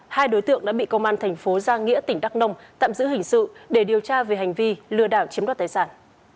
hai đối tượng đã bị công an thành phố giang nghĩa tỉnh đắk nông tạm giữ hình sự để điều tra về hành vi lừa đảo chiếm đoạt tài sản